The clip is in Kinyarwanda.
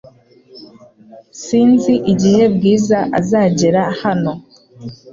Sinzi igihe Bwiza azagera hano .